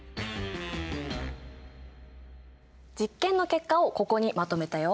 実験の結果をここにまとめたよ。